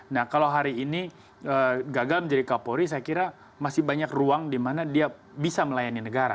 nah kalau hari ini gagal menjadi kapolri saya kira masih banyak ruang di mana dia bisa melayani negara